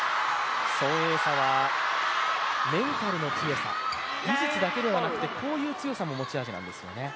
孫エイ莎はメンタルの強さ、技術だけではなくて、こういう強さも持ち味なんですよね。